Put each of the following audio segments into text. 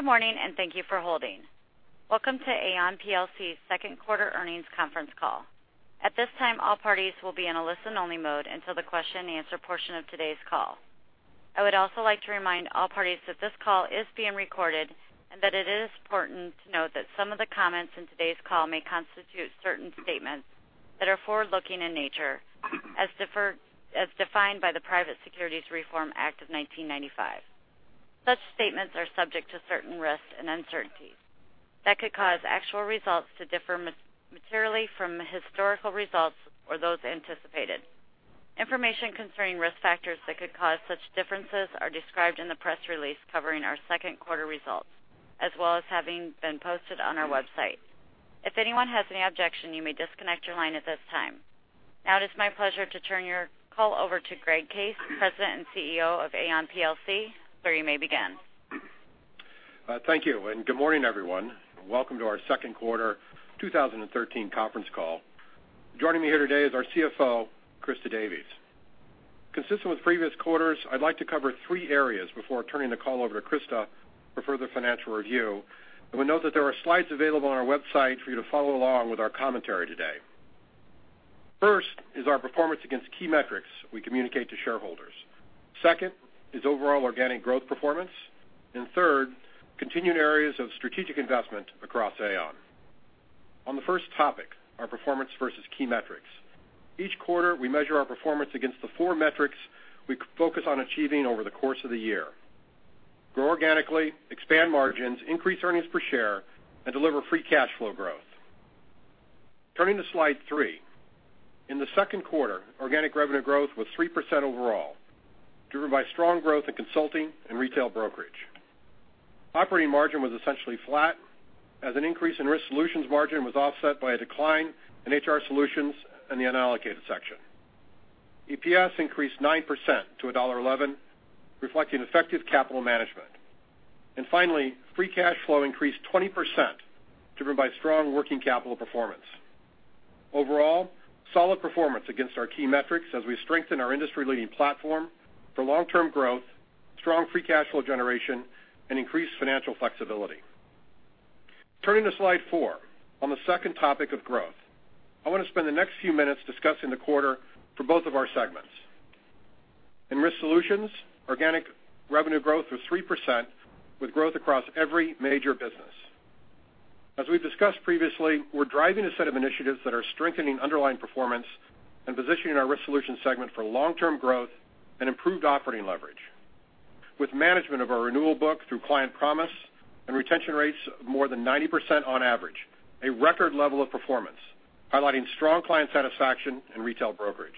Good morning, and thank you for holding. Welcome to Aon plc's second quarter earnings conference call. At this time, all parties will be in a listen-only mode until the question-and-answer portion of today's call. I would also like to remind all parties that this call is being recorded and that it is important to note that some of the comments in today's call may constitute certain statements that are forward-looking in nature, as defined by the Private Securities Litigation Reform Act of 1995. Such statements are subject to certain risks and uncertainties that could cause actual results to differ materially from historical results or those anticipated. Information concerning risk factors that could cause such differences are described in the press release covering our second quarter results, as well as having been posted on our website. If anyone has any objection, you may disconnect your line at this time. Now it is my pleasure to turn your call over to Greg Case, President and Chief Executive Officer of Aon plc. Sir, you may begin. Thank you. Good morning, everyone. Welcome to our second quarter 2013 conference call. Joining me here today is our CFO, Christa Davies. Consistent with previous quarters, I would like to cover three areas before turning the call over to Christa for further financial review. I would note that there are slides available on our website for you to follow along with our commentary today. First is our performance against key metrics we communicate to shareholders. Second is overall organic growth performance. Third, continued areas of strategic investment across Aon. On the first topic, our performance versus key metrics. Each quarter, we measure our performance against the four metrics we focus on achieving over the course of the year: grow organically, expand margins, increase earnings per share, and deliver free cash flow growth. Turning to slide three. In the second quarter, organic revenue growth was 3% overall, driven by strong growth in consulting and retail brokerage. Operating margin was essentially flat as an increase in Risk Solutions margin was offset by a decline in HR Solutions and the unallocated section. EPS increased 9% to $1.11, reflecting effective capital management. Finally, free cash flow increased 20%, driven by strong working capital performance. Overall, solid performance against our key metrics as we strengthen our industry-leading platform for long-term growth, strong free cash flow generation, and increased financial flexibility. Turning to slide four, on the second topic of growth. I want to spend the next few minutes discussing the quarter for both of our segments. In Risk Solutions, organic revenue growth was 3%, with growth across every major business. As we've discussed previously, we're driving a set of initiatives that are strengthening underlying performance and positioning our Risk Solutions segment for long-term growth and improved operating leverage. With management of our renewal book through Aon Client Promise and retention rates of more than 90% on average, a record level of performance, highlighting strong client satisfaction in retail brokerage.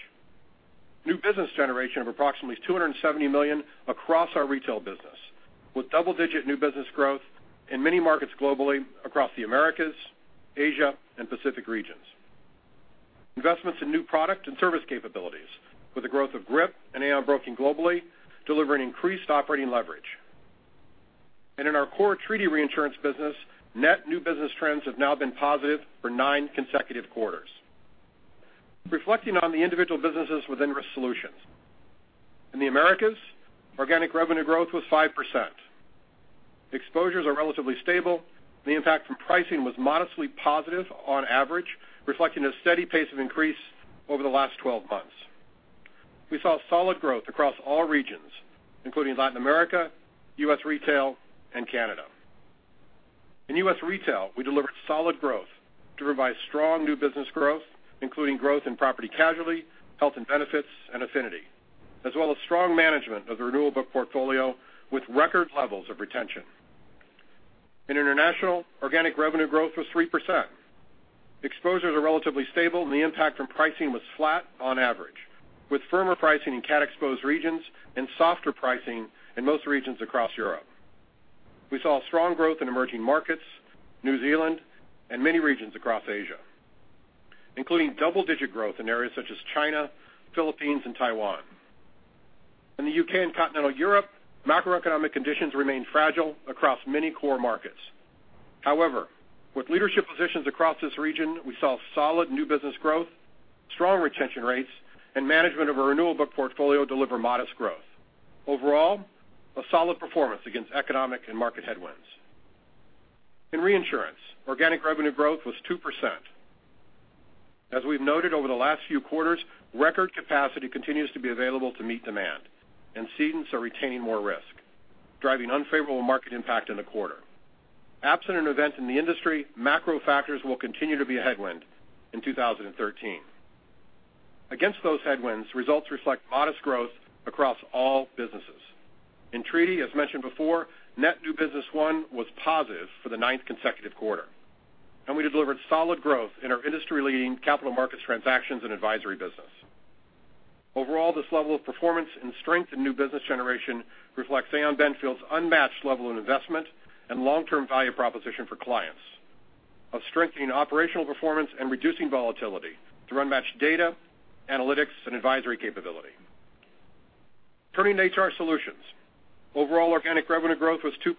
New business generation of approximately $270 million across our retail business, with double-digit new business growth in many markets globally across the Americas, Asia, and Pacific regions. Investments in new product and service capabilities with the growth of GRIP and Aon Broking globally, delivering increased operating leverage. In our core treaty reinsurance business, net new business trends have now been positive for nine consecutive quarters. Reflecting on the individual businesses within Risk Solutions. In the Americas, organic revenue growth was 5%. Exposures are relatively stable, and the impact from pricing was modestly positive on average, reflecting a steady pace of increase over the last 12 months. We saw solid growth across all regions, including Latin America, U.S. Retail, and Canada. In U.S. Retail, we delivered solid growth driven by strong new business growth, including growth in property casualty, health and benefits, and affinity, as well as strong management of the renewal book portfolio with record levels of retention. In international, organic revenue growth was 3%. Exposures are relatively stable, and the impact from pricing was flat on average, with firmer pricing in cat-exposed regions and softer pricing in most regions across Europe. We saw strong growth in emerging markets, New Zealand, and many regions across Asia, including double-digit growth in areas such as China, Philippines, and Taiwan. In the U.K. and continental Europe, macroeconomic conditions remain fragile across many core markets. With leadership positions across this region, we saw solid new business growth, strong retention rates, and management of our renewal book portfolio deliver modest growth. Overall, a solid performance against economic and market headwinds. In reinsurance, organic revenue growth was 2%. As we've noted over the last few quarters, record capacity continues to be available to meet demand, and cedents are retaining more risk, driving unfavorable market impact in the quarter. Absent an event in the industry, macro factors will continue to be a headwind in 2013. Against those headwinds, results reflect modest growth across all businesses. In treaty, as mentioned before, net new business won was positive for the ninth consecutive quarter, and we delivered solid growth in our industry-leading capital markets transactions and advisory business. Overall, this level of performance and strength in new business generation reflects Aon Benfield's unmatched level of investment and long-term value proposition for clients of strengthening operational performance and reducing volatility through unmatched data, analytics, and advisory capability. Turning to HR Solutions. Overall organic revenue growth was 2%.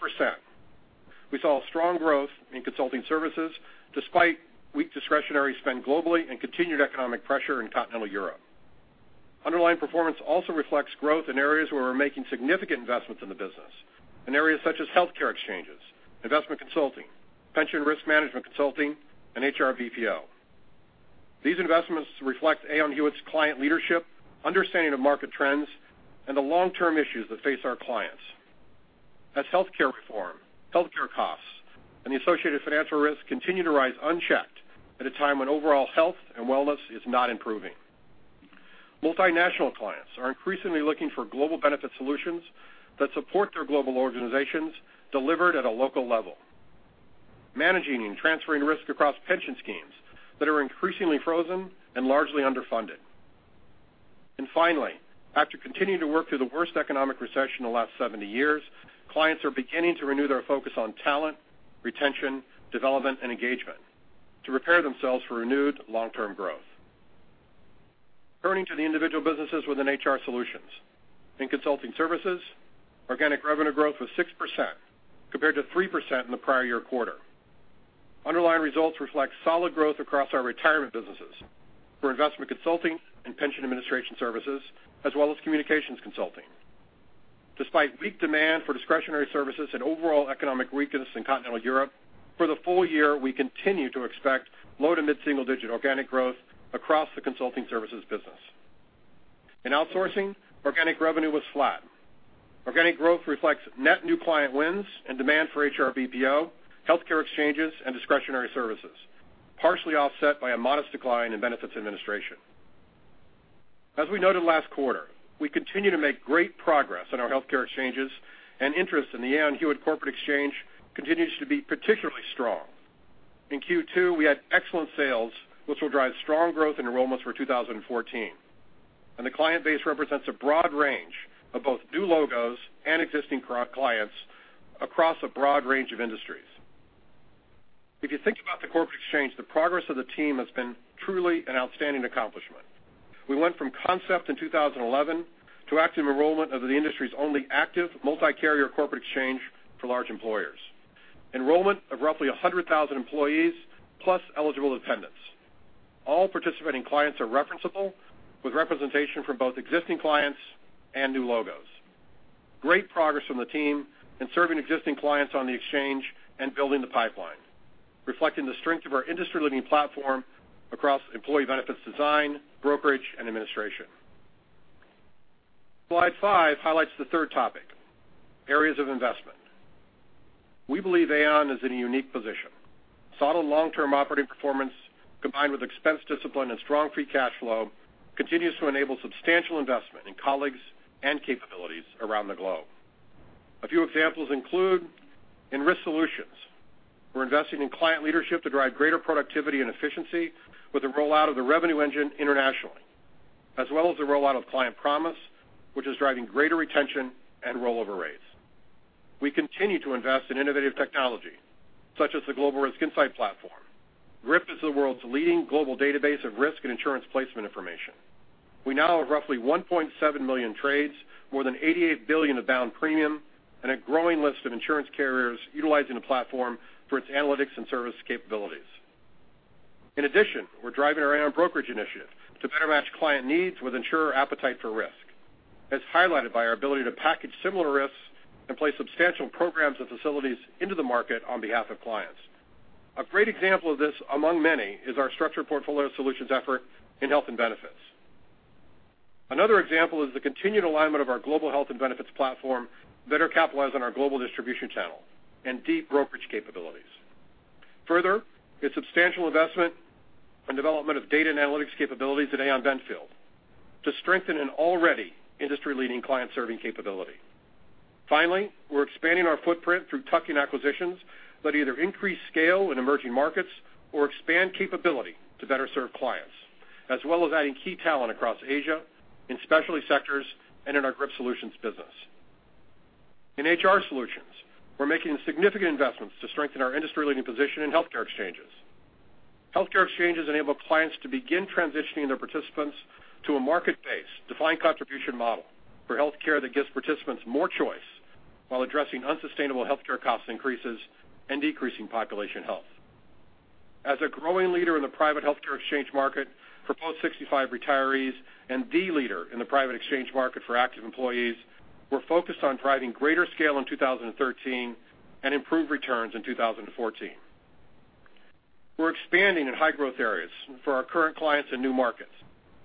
We saw strong growth in consulting services despite weak discretionary spend globally and continued economic pressure in continental Europe. Underlying performance also reflects growth in areas where we're making significant investments in the business, in areas such as healthcare exchanges, investment consulting, pension risk management consulting, and HR BPO. These investments reflect Aon Hewitt's client leadership, understanding of market trends, and the long-term issues that face our clients. As healthcare reform, healthcare costs, and the associated financial risks continue to rise unchecked at a time when overall health and wellness is not improving. Multinational clients are increasingly looking for global benefit solutions that support their global organizations, delivered at a local level, managing and transferring risk across pension schemes that are increasingly frozen and largely underfunded. Finally, after continuing to work through the worst economic recession in the last 70 years, clients are beginning to renew their focus on talent, retention, development, and engagement to prepare themselves for renewed long-term growth. Turning to the individual businesses within HR Solutions. In consulting services, organic revenue growth was 6% compared to 3% in the prior year quarter. Underlying results reflect solid growth across our retirement businesses for investment consulting and pension administration services, as well as communications consulting. Despite weak demand for discretionary services and overall economic weakness in continental Europe, for the full year, we continue to expect low- to mid-single-digit organic growth across the consulting services business. In outsourcing, organic revenue was flat. Organic growth reflects net new client wins and demand for HR BPO, healthcare exchanges, and discretionary services, partially offset by a modest decline in benefits administration. As we noted last quarter, we continue to make great progress on our healthcare exchanges, and interest in the Aon Hewitt Corporate Exchange continues to be particularly strong. In Q2, we had excellent sales, which will drive strong growth in enrollments for 2014, and the client base represents a broad range of both new logos and existing clients across a broad range of industries. If you think about the Corporate Exchange, the progress of the team has been truly an outstanding accomplishment. We went from concept in 2011 to active enrollment of the industry's only active multi-carrier corporate exchange for large employers. Enrollment of roughly 100,000 employees, plus eligible dependents. All participating clients are referenceable, with representation from both existing clients and new logos. Great progress from the team in serving existing clients on the exchange and building the pipeline, reflecting the strength of our industry-leading platform across employee benefits design, brokerage, and administration. Slide five highlights the third topic, areas of investment. We believe Aon is in a unique position. Solid long-term operating performance, combined with expense discipline and strong free cash flow, continues to enable substantial investment in colleagues and capabilities around the globe. A few examples include in Risk Solutions, we're investing in client leadership to drive greater productivity and efficiency with the rollout of the Revenue Engine internationally, as well as the rollout of Client Promise, which is driving greater retention and rollover rates. We continue to invest in innovative technology, such as the Global Risk Insight Platform. GRIP is the world's leading global database of risk and insurance placement information. We now have roughly 1.7 million trades, more than $88 billion of bound premium, and a growing list of insurance carriers utilizing the platform for its analytics and service capabilities. In addition, we're driving our Aon Broking initiative to better match client needs with insurer appetite for risk, as highlighted by our ability to package similar risks and place substantial programs and facilities into the market on behalf of clients. A great example of this, among many, is our structured portfolio solutions effort in health and benefits. Another example is the continued alignment of our global health and benefits platform, better capitalized on our global distribution channel and deep brokerage capabilities. Further, a substantial investment and development of data and analytics capabilities at Aon Benfield to strengthen an already industry-leading client-serving capability. We're expanding our footprint through tuck-in acquisitions that either increase scale in emerging markets or expand capability to better serve clients, as well as adding key talent across Asia, in specialty sectors, and in our GRIP Solutions business. In HR Solutions, we're making significant investments to strengthen our industry-leading position in healthcare exchanges. Healthcare exchanges enable clients to begin transitioning their participants to a market-based defined contribution model for healthcare that gives participants more choice while addressing unsustainable healthcare cost increases and decreasing population health. As a growing leader in the private healthcare exchange market for post-65 retirees and the leader in the private exchange market for active employees, we're focused on driving greater scale in 2013 and improved returns in 2014. We're expanding in high-growth areas for our current clients and new markets.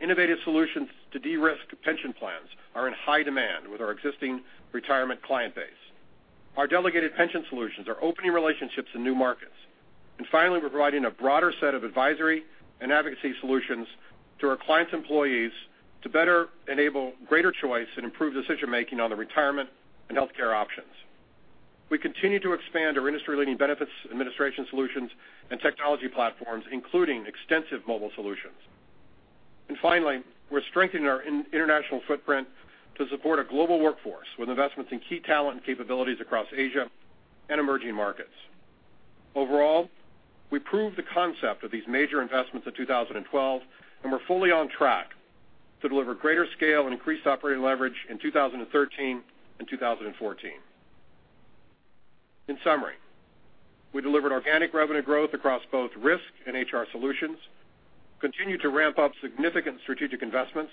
Innovative solutions to de-risk pension plans are in high demand with our existing retirement client base. Our delegated pension solutions are opening relationships in new markets. Finally, we're providing a broader set of advisory and advocacy solutions to our clients' employees to better enable greater choice and improve decision-making on their retirement and healthcare options. We continue to expand our industry-leading benefits administration solutions and technology platforms, including extensive mobile solutions. Finally, we're strengthening our international footprint to support a global workforce with investments in key talent and capabilities across Asia and emerging markets. Overall, we proved the concept of these major investments in 2012, and we're fully on track to deliver greater scale and increased operating leverage in 2013 and 2014. In summary, we delivered organic revenue growth across both Risk Solutions and HR Solutions, continued to ramp up significant strategic investments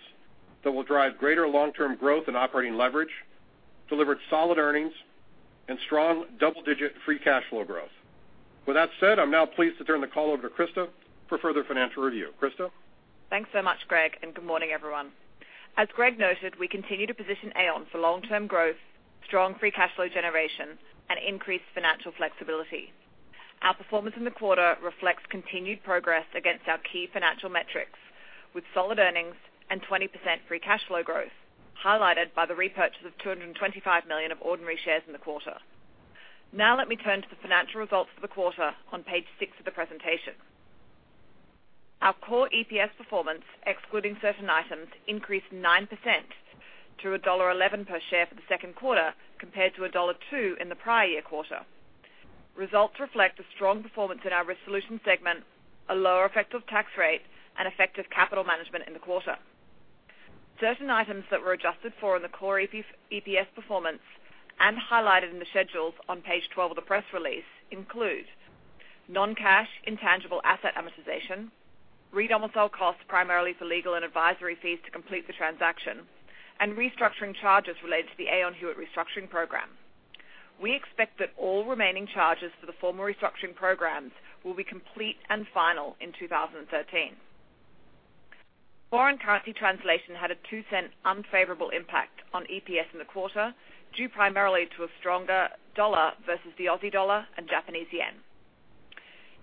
that will drive greater long-term growth and operating leverage, delivered solid earnings, and strong double-digit free cash flow growth. With that said, I'm now pleased to turn the call over to Christa for further financial review. Christa? Thanks so much, Greg. Good morning, everyone. As Greg noted, we continue to position Aon for long-term growth, strong free cash flow generation, and increased financial flexibility. Our performance in the quarter reflects continued progress against our key financial metrics, with solid earnings and 20% free cash flow growth, highlighted by the repurchase of $225 million of ordinary shares in the quarter. Now let me turn to the financial results for the quarter on page six of the presentation. Our core EPS performance, excluding certain items, increased 9% to $1.11 per share for the second quarter, compared to $1.02 in the prior year quarter. Results reflect a strong performance in our Risk Solutions segment, a lower effective tax rate, and effective capital management in the quarter. Certain items that were adjusted for in the core EPS performance and highlighted in the schedules on page 12 of the press release include non-cash intangible asset amortization, re-domicile costs, primarily for legal and advisory fees to complete the transaction, and restructuring charges related to the Aon Hewitt restructuring plan. We expect that all remaining charges for the former restructuring programs will be complete and final in 2013. Foreign currency translation had a $0.02 unfavorable impact on EPS in the quarter, due primarily to a stronger dollar versus the AUD and JPY.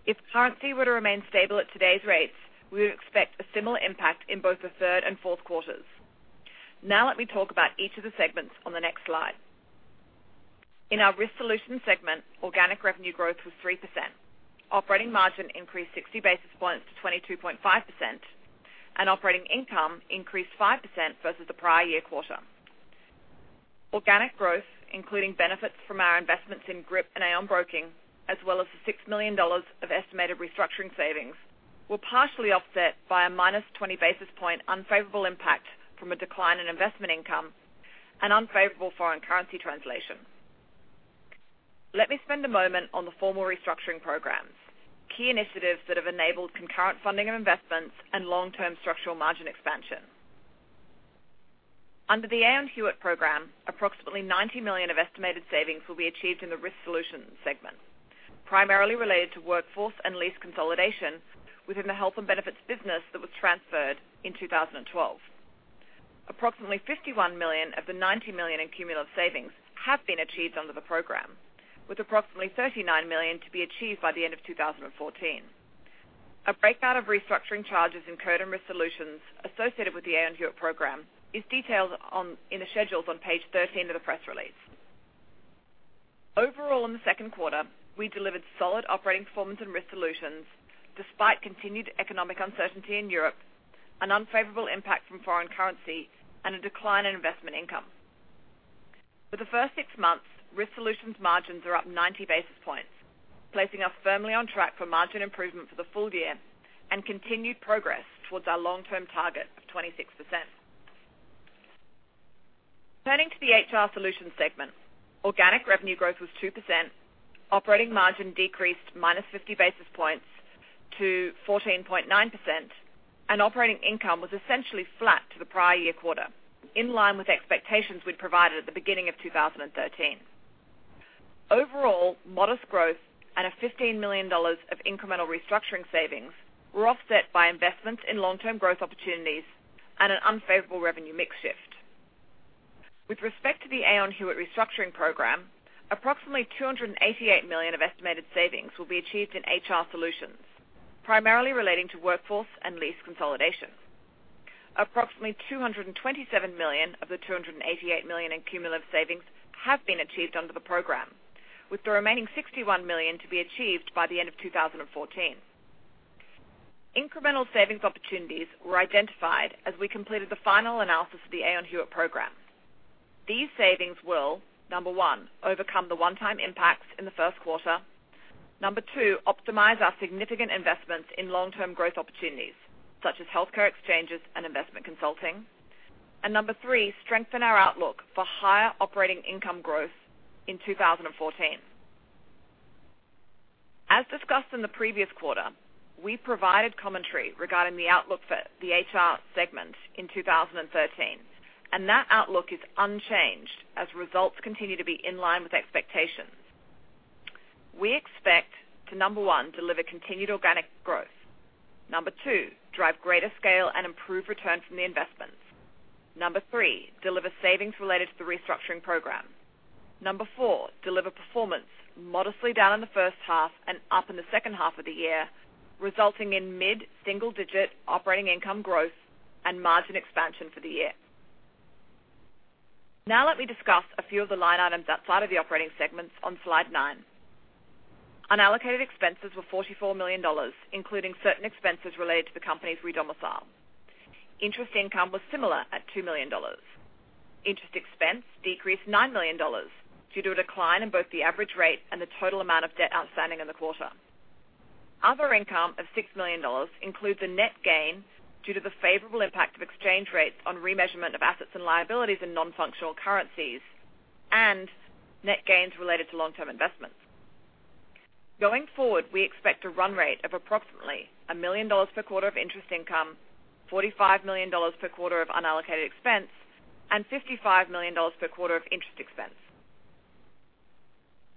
If currency were to remain stable at today's rates, we would expect a similar impact in both the third and fourth quarters. Let me talk about each of the segments on the next slide. In our Risk Solutions segment, organic revenue growth was 3%. Operating margin increased 60 basis points to 22.5%, and operating income increased 5% versus the prior year quarter. Organic growth, including benefits from our investments in GRIP and Aon Broking, as well as the $6 million of estimated restructuring savings, were partially offset by a -20 basis point unfavorable impact from a decline in investment income and unfavorable foreign currency translation. Let me spend a moment on the formal restructuring programs, key initiatives that have enabled concurrent funding of investments and long-term structural margin expansion. Under the Aon Hewitt program, approximately $90 million of estimated savings will be achieved in the Risk Solutions segment, primarily related to workforce and lease consolidation within the health and benefits business that was transferred in 2012. Approximately $51 million of the $90 million in cumulative savings have been achieved under the program, with approximately $39 million to be achieved by the end of 2014. A breakout of restructuring charges incurred in Risk Solutions associated with the Aon Hewitt program is detailed in the schedules on page 13 of the press release. In the second quarter, we delivered solid operating performance in Risk Solutions despite continued economic uncertainty in Europe, an unfavorable impact from foreign currency, and a decline in investment income. For the first six months, Risk Solutions margins are up 90 basis points, placing us firmly on track for margin improvement for the full year and continued progress towards our long-term target of 26%. Turning to the HR Solutions segment, organic revenue growth was 2%, operating margin decreased -50 basis points to 14.9%, and operating income was essentially flat to the prior year quarter, in line with expectations we'd provided at the beginning of 2013. Modest growth and $15 million of incremental restructuring savings were offset by investments in long-term growth opportunities and an unfavorable revenue mix shift. With respect to the Aon Hewitt restructuring plan, approximately $288 million of estimated savings will be achieved in HR Solutions, primarily relating to workforce and lease consolidation. Approximately $227 million of the $288 million in cumulative savings have been achieved under the program, with the remaining $61 million to be achieved by the end of 2014. Incremental savings opportunities were identified as we completed the final analysis of the Aon Hewitt program. These savings will, number one, overcome the one-time impacts in the first quarter. Number two, optimize our significant investments in long-term growth opportunities, such as healthcare exchanges and investment consulting. Number three, strengthen our outlook for higher operating income growth in 2014. As discussed in the previous quarter, we provided commentary regarding the outlook for the HR Solutions in 2013. That outlook is unchanged as results continue to be in line with expectations. We expect to, number one, deliver continued organic growth. Number two, drive greater scale and improve return from the investments. Number three, deliver savings related to the restructuring program. Number four, deliver performance modestly down in the first half and up in the second half of the year, resulting in mid-single-digit operating income growth and margin expansion for the year. Now let me discuss a few of the line items outside of the operating segments on slide nine. Unallocated expenses were $44 million, including certain expenses related to the company's re-domicile. Interest income was similar at $2 million. Interest expense decreased $9 million due to a decline in both the average rate and the total amount of debt outstanding in the quarter. Other income of $6 million includes a net gain due to the favorable impact of exchange rates on remeasurement of assets and liabilities in non-functional currencies, and net gains related to long-term investments. Going forward, we expect a run rate of approximately $1 million per quarter of interest income, $45 million per quarter of unallocated expense, and $55 million per quarter of interest expense.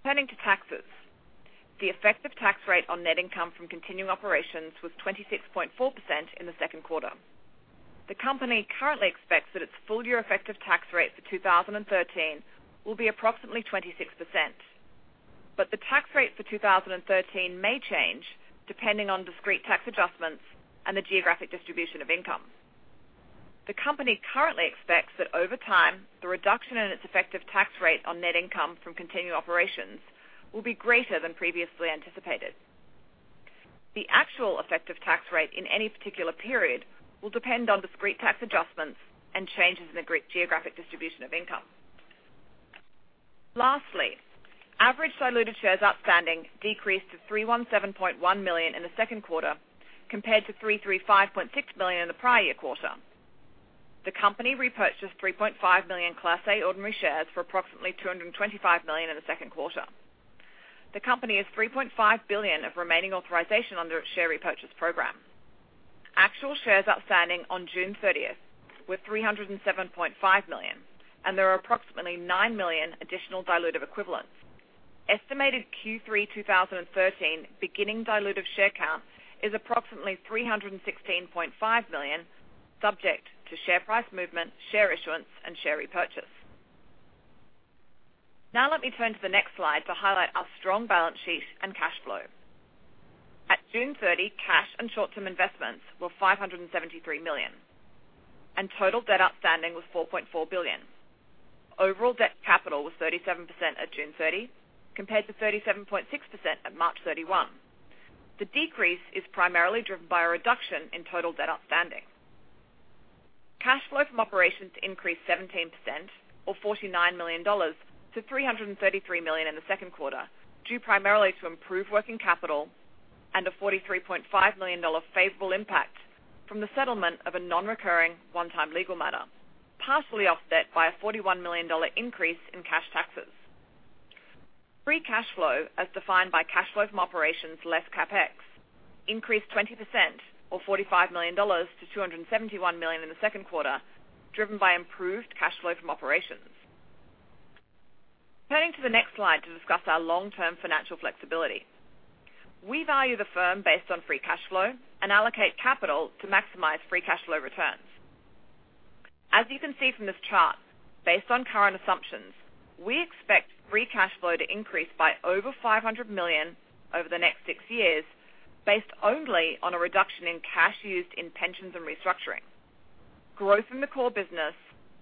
Turning to taxes. The effective tax rate on net income from continuing operations was 26.4% in the second quarter. The company currently expects that its full-year effective tax rate for 2013 will be approximately 26%, but the tax rate for 2013 may change depending on discrete tax adjustments and the geographic distribution of income. The company currently expects that over time, the reduction in its effective tax rate on net income from continuing operations will be greater than previously anticipated. The actual effective tax rate in any particular period will depend on discrete tax adjustments and changes in the geographic distribution of income. Lastly, average diluted shares outstanding decreased to 317.1 million in the second quarter compared to 335.6 million in the prior year quarter. The company repurchased 3.5 million Class A ordinary shares for approximately $225 million in the second quarter. The company has $3.5 billion of remaining authorization under its share repurchase program. Actual shares outstanding on June 30th were 307.5 million, and there are approximately nine million additional dilutive equivalents. Estimated Q3 2013 beginning dilutive share count is approximately 316.5 million, subject to share price movement, share issuance, and share repurchase. Now let me turn to the next slide to highlight our strong balance sheet and cash flow. At June 30, cash and short-term investments were $573 million, and total debt outstanding was $4.4 billion. Overall debt capital was 37% at June 30, compared to 37.6% at March 31. The decrease is primarily driven by a reduction in total debt outstanding. Cash flow from operations increased 17%, or $49 million, to $333 million in the second quarter, due primarily to improved working capital and a $43.5 million favorable impact from the settlement of a non-recurring one-time legal matter, partially offset by a $41 million increase in cash taxes. Free cash flow, as defined by cash flow from operations less CapEx, increased 20%, or $45 million, to $271 million in the second quarter, driven by improved cash flow from operations. Turning to the next slide to discuss our long-term financial flexibility. We value the firm based on free cash flow and allocate capital to maximize free cash flow returns. As you can see from this chart, based on current assumptions, we expect free cash flow to increase by over $500 million over the next six years based only on a reduction in cash used in pensions and restructuring. Growth in the core business,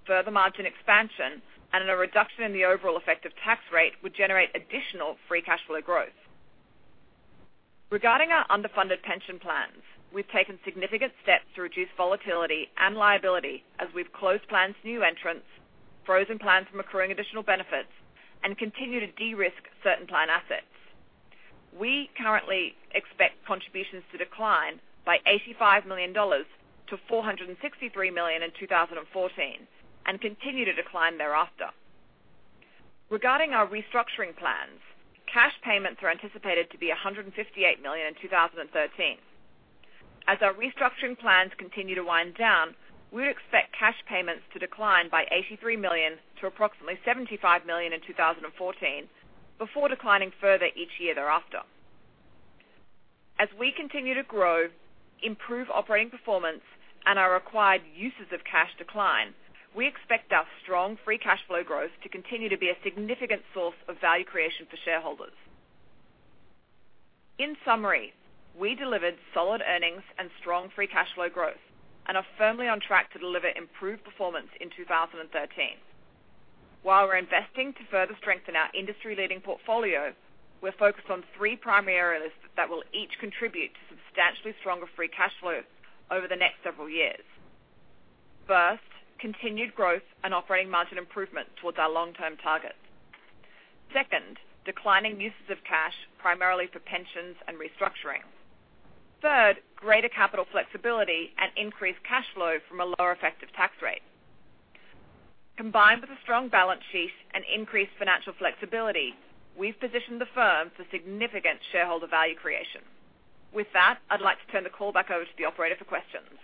further margin expansion, and a reduction in the overall effective tax rate would generate additional free cash flow growth. Regarding our underfunded pension plans, we've taken significant steps to reduce volatility and liability, as we've closed plans to new entrants, frozen plans from accruing additional benefits, and continue to de-risk certain plan assets. We currently expect contributions to decline by $85 million to $463 million in 2014 and continue to decline thereafter. Regarding our restructuring plans, cash payments are anticipated to be $158 million in 2013. As our restructuring plans continue to wind down, we expect cash payments to decline by $83 million to approximately $75 million in 2014, before declining further each year thereafter. As we continue to grow, improve operating performance, and our required uses of cash decline, we expect our strong free cash flow growth to continue to be a significant source of value creation for shareholders. In summary, we delivered solid earnings and strong free cash flow growth and are firmly on track to deliver improved performance in 2013. While we're investing to further strengthen our industry-leading portfolio, we're focused on three primary areas that will each contribute to substantially stronger free cash flow over the next several years. First, continued growth and operating margin improvement towards our long-term targets. Second, declining uses of cash, primarily for pensions and restructuring. Third, greater capital flexibility and increased cash flow from a lower effective tax rate. Combined with a strong balance sheet and increased financial flexibility, we've positioned the firm for significant shareholder value creation. With that, I'd like to turn the call back over to the operator for questions.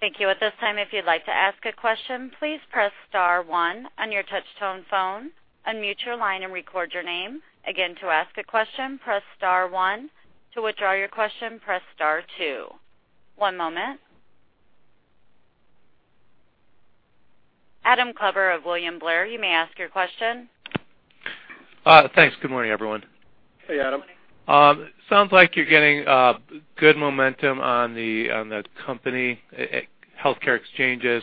Thank you. At this time, if you'd like to ask a question, please press star one on your touchtone phone, unmute your line, and record your name. Again, to ask a question, press star one. To withdraw your question, press star two. One moment. Adam Klauber of William Blair, you may ask your question. Thanks. Good morning, everyone. Hey, Adam. Sounds like you're getting good momentum on the company healthcare exchanges.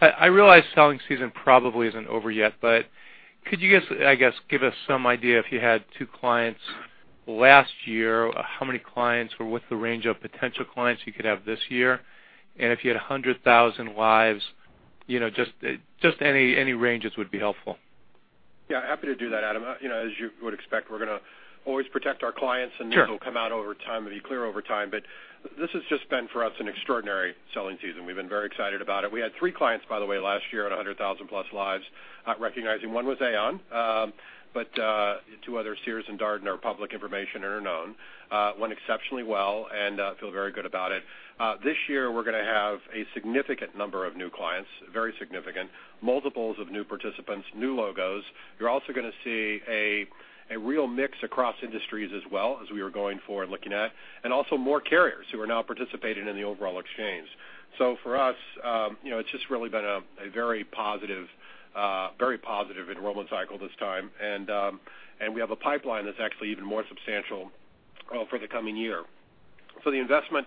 I realize selling season probably isn't over yet, but could you, I guess, give us some idea if you had two clients Last year, how many clients were with the range of potential clients you could have this year? If you had 100,000 lives, just any ranges would be helpful. Yeah, happy to do that, Adam. As you would expect, we're going to always protect our clients. Sure Names will come out over time, it'll be clear over time, but this has just been, for us, an extraordinary selling season. We've been very excited about it. We had three clients, by the way, last year at 100,000 plus lives, recognizing one was Aon, but the two others, Sears and Darden, are public information and are known. Went exceptionally well and feel very good about it. This year, we're going to have a significant number of new clients, very significant, multiples of new participants, new logos. You're also going to see a real mix across industries as well as we are going forward looking at, and also more carriers who are now participating in the overall exchange. For us, it's just really been a very positive enrollment cycle this time, and we have a pipeline that's actually even more substantial for the coming year. The investment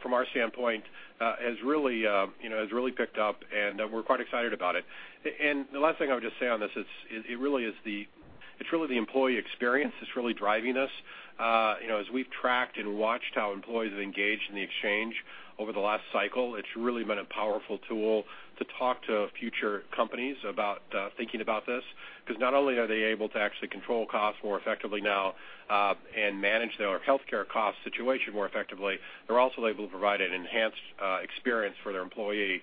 from our standpoint, has really picked up, and we're quite excited about it. The last thing I would just say on this is, it's really the employee experience that's really driving us. As we've tracked and watched how employees have engaged in the exchange over the last cycle, it's really been a powerful tool to talk to future companies about thinking about this, because not only are they able to actually control costs more effectively now, and manage their healthcare cost situation more effectively, they're also able to provide an enhanced experience for their employee,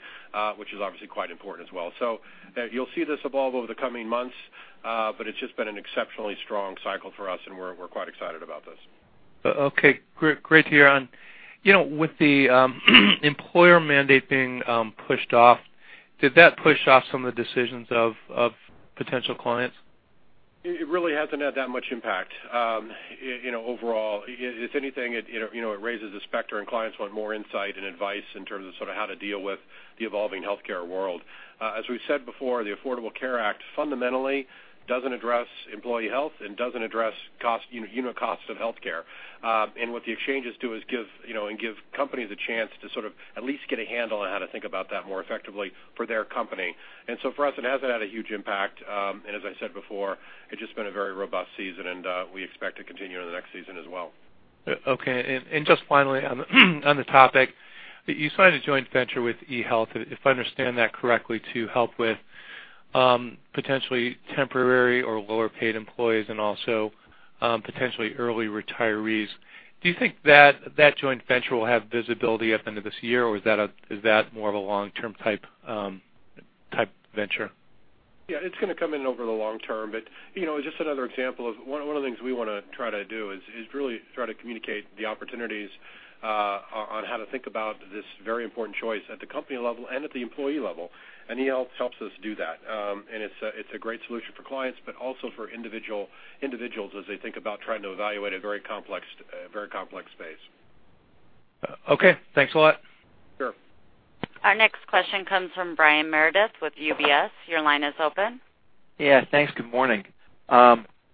which is obviously quite important as well. You'll see this evolve over the coming months, but it's just been an exceptionally strong cycle for us and we're quite excited about this. Okay. Great to hear. With the employer mandate being pushed off, did that push off some of the decisions of potential clients? It really hasn't had that much impact. Overall, if anything, it raises the specter and clients want more insight and advice in terms of how to deal with the evolving healthcare world. As we've said before, the Affordable Care Act fundamentally doesn't address employee health and doesn't address unit costs of healthcare. What the exchanges do is give companies a chance to at least get a handle on how to think about that more effectively for their company. So for us, it hasn't had a huge impact. As I said before, it's just been a very robust season, and we expect to continue into the next season as well. Okay, just finally on the topic, you signed a joint venture with eHealth, if I understand that correctly, to help with potentially temporary or lower paid employees and also potentially early retirees. Do you think that joint venture will have visibility at the end of this year, or is that more of a long-term type venture? Yeah, it's going to come in over the long term, but just another example of one of the things we want to try to do is really try to communicate the opportunities on how to think about this very important choice at the company level and at the employee level, and eHealth helps us do that. It's a great solution for clients, but also for individuals as they think about trying to evaluate a very complex space. Okay, thanks a lot. Sure. Our next question comes from Brian Meredith with UBS. Your line is open. Yeah, thanks. Good morning.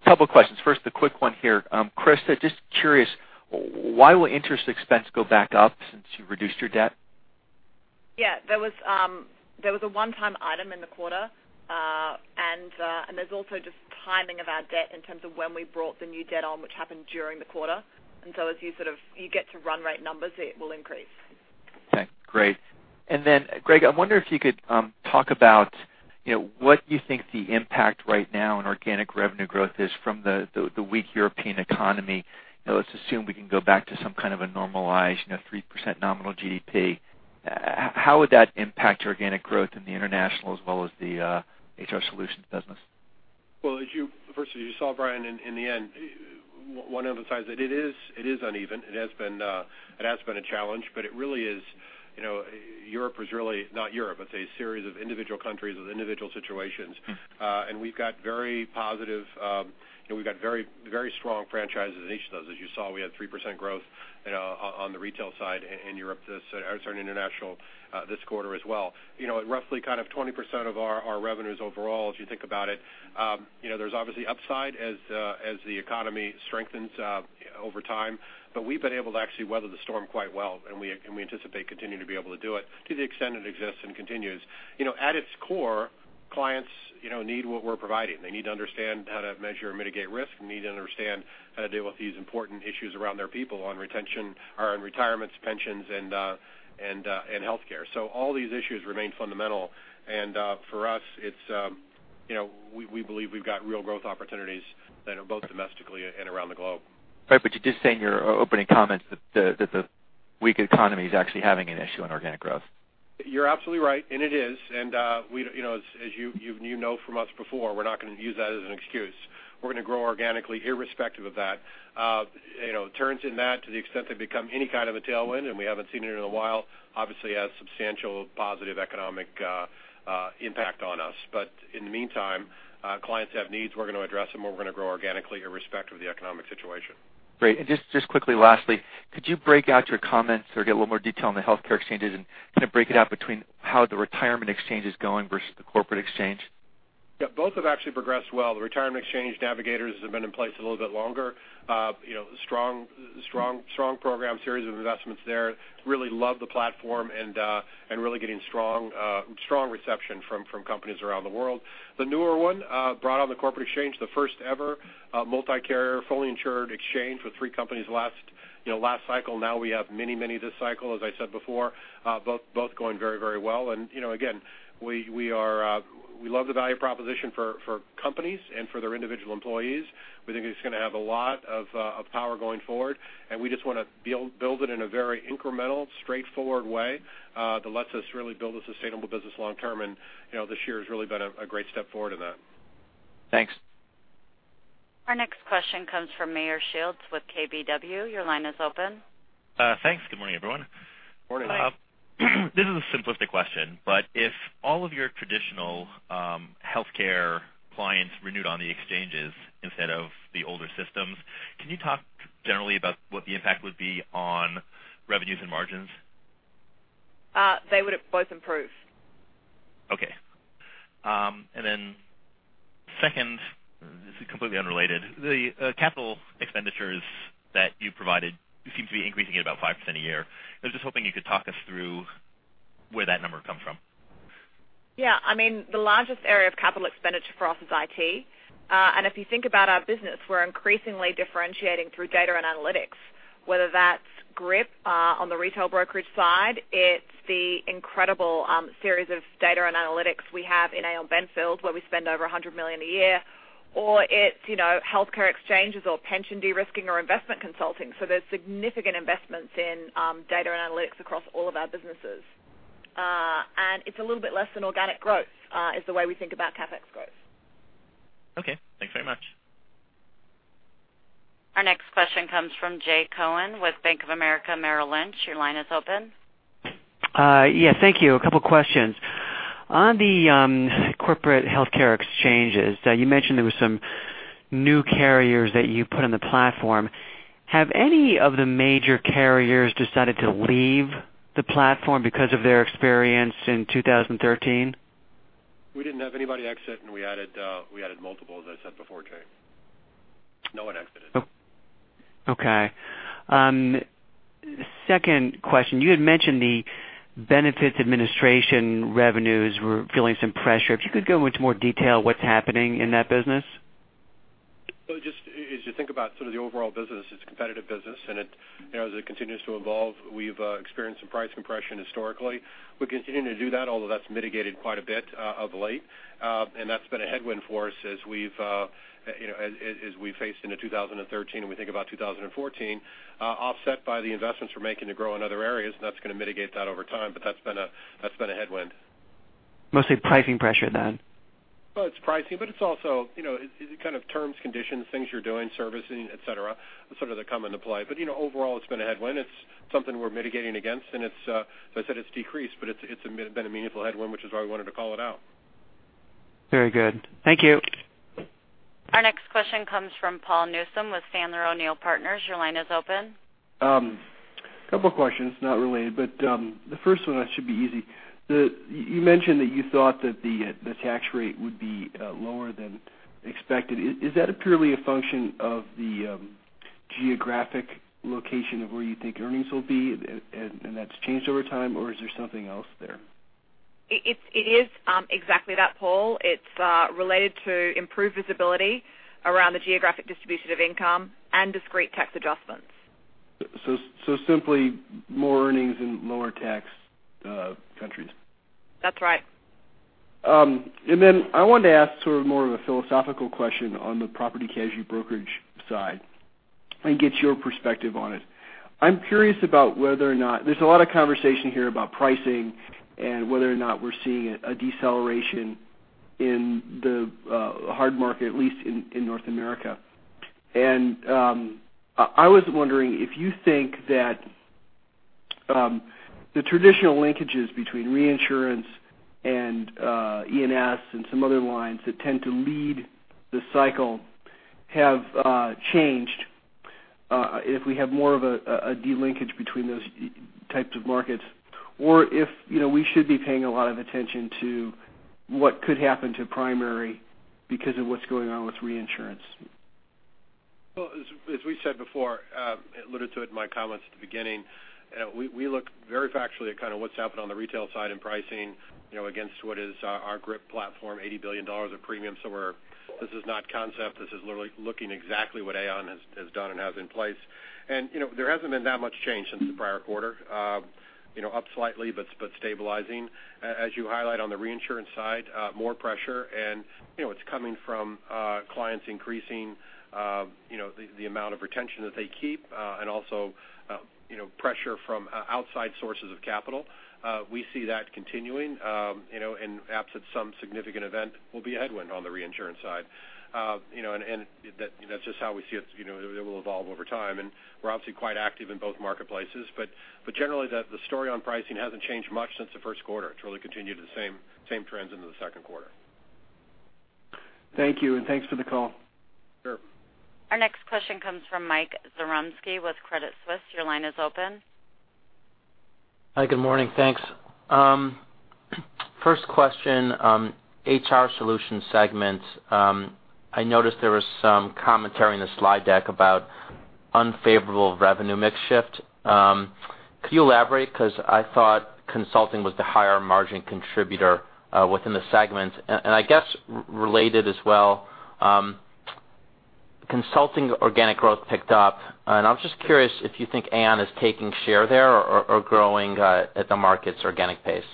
Couple questions. First, a quick one here. Christa, just curious, why will interest expense go back up since you reduced your debt? Yeah, there was a one-time item in the quarter, there's also just timing of our debt in terms of when we brought the new debt on, which happened during the quarter. So as you get to run rate numbers, it will increase. Okay, great. Greg, I wonder if you could talk about what you think the impact right now on organic revenue growth is from the weak European economy. Let's assume we can go back to some kind of a normalized 3% nominal GDP. How would that impact your organic growth in the international as well as the HR Solutions business? First, as you saw, Brian, in the end, we want to emphasize that it is uneven. It has been a challenge. Europe is really not Europe. It's a series of individual countries with individual situations. We've got very strong franchises in each of those. As you saw, we had 3% growth on the retail side in Europe, international, this quarter as well. Roughly 20% of our revenues overall, if you think about it. There's obviously upside as the economy strengthens over time. We've been able to actually weather the storm quite well. We anticipate continuing to be able to do it to the extent it exists and continues. At its core, clients need what we're providing. They need to understand how to measure and mitigate risk. They need to understand how to deal with these important issues around their people on retention or on retirements, pensions, and healthcare. All these issues remain fundamental. For us, we believe we've got real growth opportunities both domestically and around the globe. Right, you did say in your opening comments that the weak economy is actually having an issue on organic growth. You're absolutely right, it is. As you know from us before, we're not going to use that as an excuse. We're going to grow organically irrespective of that. Turns in that to the extent they become any kind of a tailwind, we haven't seen it in a while, obviously has substantial positive economic impact on us. In the meantime, clients have needs. We're going to address them. We're going to grow organically irrespective of the economic situation. Just quickly, lastly, could you break out your comments or give a little more detail on the healthcare exchanges and kind of break it out between how the retirement exchange is going versus the corporate exchange? Yeah, both have actually progressed well. The retirement exchange navigators have been in place a little bit longer. Strong program, series of investments there. Really love the platform and really getting strong reception from companies around the world. The newer one brought on the corporate exchange, the first ever multi-carrier, fully insured exchange with three companies last cycle. Now we have many this cycle, as I said before, both going very well. Again, we love the value proposition for companies and for their individual employees. We think it's going to have a lot of power going forward, and we just want to build it in a very incremental, straightforward way that lets us really build a sustainable business long term. This year has really been a great step forward in that. Thanks. Our next question comes from Meyer Shields with KBW. Your line is open. Thanks. Good morning, everyone. Morning. This is a simplistic question, if all of your traditional healthcare clients renewed on the exchanges instead of the older systems, can you talk generally about what the impact would be on revenues and margins? They would have both improved. Okay. Second, this is completely unrelated. The capital expenditures that you provided seem to be increasing at about 5% a year. I was just hoping you could talk us through where that number comes from. Yeah. The largest area of capital expenditure for us is IT. If you think about our business, we're increasingly differentiating through data and analytics, whether that's GRIP on the retail brokerage side, it's the incredible series of data and analytics we have in Aon Benfield, where we spend over $100 million a year. It's healthcare exchanges or pension de-risking or investment consulting. There's significant investments in data and analytics across all of our businesses. It's a little bit less than organic growth, is the way we think about CapEx growth. Okay. Thanks very much. Our next question comes from Jay Cohen with Bank of America, Merrill Lynch. Your line is open. Yes, thank you. A couple questions. On the corporate healthcare exchanges, you mentioned there were some new carriers that you put on the platform. Have any of the major carriers decided to leave the platform because of their experience in 2013? We didn't have anybody exit, and we added multiple, as I said before, Jay. No one exited. Okay. Second question. You had mentioned the benefits administration revenues were feeling some pressure. If you could go into more detail, what's happening in that business? Well, just as you think about some of the overall business, it's a competitive business, and as it continues to evolve, we've experienced some price compression historically. We're continuing to do that, although that's mitigated quite a bit of late. That's been a headwind for us as we've faced into 2013, and we think about 2014, offset by the investments we're making to grow in other areas. That's going to mitigate that over time, but that's been a headwind. Mostly pricing pressure then. Well, it's pricing, but it's also kind of terms, conditions, things you're doing, servicing, et cetera, that sort of come into play. Overall, it's been a headwind. It's something we're mitigating against. As I said, it's decreased, but it's been a meaningful headwind, which is why we wanted to call it out. Very good. Thank you. Our next question comes from Paul Newsome with Sandler O'Neill + Partners. Your line is open. Couple questions, not related. The first one should be easy. You mentioned that you thought that the tax rate would be lower than expected. Is that purely a function of the geographic location of where you think earnings will be and that's changed over time, or is there something else there? It is exactly that, Paul. It's related to improved visibility around the geographic distribution of income and discrete tax adjustments. Simply more earnings in lower tax countries. That's right. I wanted to ask sort of more of a philosophical question on the property casualty brokerage side and get your perspective on it. I'm curious about whether or not there's a lot of conversation here about pricing and whether or not we're seeing a deceleration in the hard market, at least in North America. I was wondering if you think that the traditional linkages between reinsurance and E&S and some other lines that tend to lead the cycle have changed, if we have more of a delinkage between those types of markets or if we should be paying a lot of attention to what could happen to primary because of what's going on with reinsurance. As we said before, I alluded to it in my comments at the beginning, we look very factually at kind of what's happened on the retail side in pricing against what is our GRIP platform, $80 billion of premiums. This is not concept. This is literally looking exactly what Aon has done and has in place. There hasn't been that much change since the prior quarter. Up slightly, but stabilizing. As you highlight on the reinsurance side, more pressure, it's coming from clients increasing the amount of retention that they keep. Also pressure from outside sources of capital. We see that continuing, absent some significant event, will be a headwind on the reinsurance side. That's just how we see it. It will evolve over time, and we're obviously quite active in both marketplaces. Generally, the story on pricing hasn't changed much since the first quarter. It's really continued the same trends into the second quarter. Thank you, thanks for the call. Sure. Our next question comes from Michael Zaremski with Credit Suisse. Your line is open. Hi, good morning, thanks. First question, HR Solutions segment. I noticed there was some commentary in the slide deck about unfavorable revenue mix shift. Could you elaborate? I thought consulting was the higher margin contributor within the segment. I guess related as well Consulting organic growth picked up. I'm just curious if you think Aon is taking share there or growing at the market's organic pace.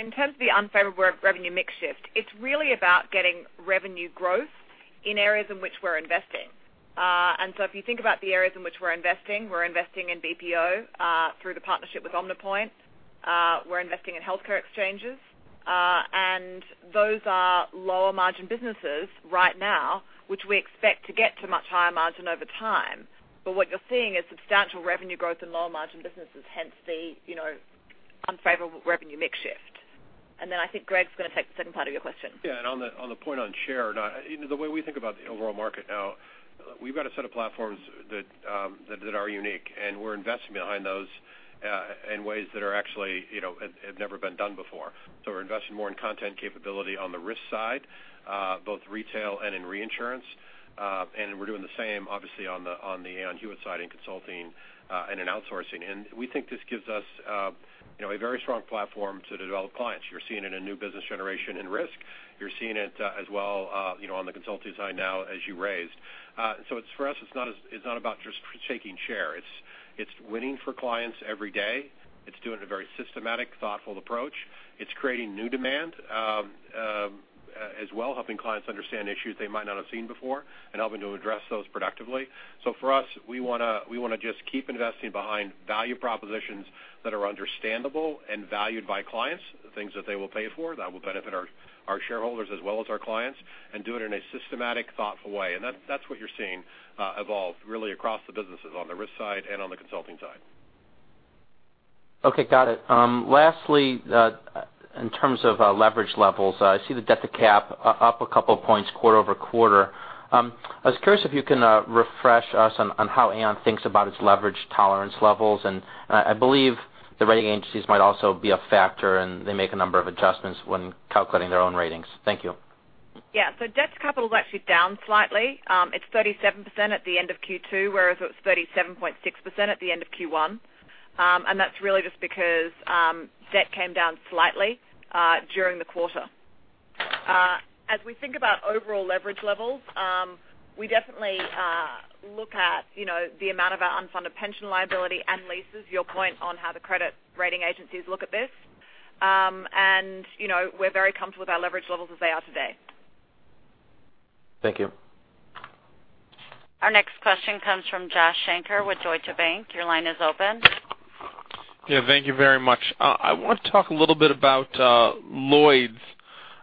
In terms of the unfavorable revenue mix shift, it's really about getting revenue growth in areas in which we're investing. If you think about the areas in which we're investing, we're investing in BPO through the partnership with OmniPoint. We're investing in healthcare exchanges. Those are lower margin businesses right now, which we expect to get to much higher margin over time. What you're seeing is substantial revenue growth in lower margin businesses, hence the unfavorable revenue mix shift. I think Greg's going to take the second part of your question. On the point on share, the way we think about the overall market now, we've got a set of platforms that are unique, we're investing behind those in ways that have never been done before. We're investing more in content capability on the risk side both retail and in reinsurance. We're doing the same, obviously, on the Aon Hewitt side in consulting and in outsourcing. We think this gives us a very strong platform to develop clients. You're seeing it in new business generation in risk. You're seeing it as well on the consulting side now as you raised. For us, it's not about just taking share. It's winning for clients every day. It's doing a very systematic, thoughtful approach. It's creating new demand as well, helping clients understand issues they might not have seen before and helping to address those productively. For us, we want to just keep investing behind value propositions that are understandable and valued by clients, the things that they will pay for that will benefit our shareholders as well as our clients, and do it in a systematic, thoughtful way. That's what you're seeing evolve really across the businesses, on the risk side and on the consulting side. Got it. Lastly, in terms of leverage levels, I see the debt to cap up a couple points quarter-over-quarter. I was curious if you can refresh us on how Aon thinks about its leverage tolerance levels. I believe the rating agencies might also be a factor, and they make a number of adjustments when calculating their own ratings. Thank you. Yeah. Debt to capital is actually down slightly. It's 37% at the end of Q2, whereas it was 37.6% at the end of Q1. That's really just because debt came down slightly during the quarter. As we think about overall leverage levels, we definitely look at the amount of our unfunded pension liability and leases, your point on how the credit rating agencies look at this. We're very comfortable with our leverage levels as they are today. Thank you. Our next question comes from Joshua Shanker with Deutsche Bank. Your line is open. Yeah, thank you very much. I want to talk a little bit about Lloyd's.